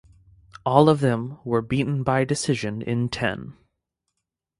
All of them were beaten by decision in ten.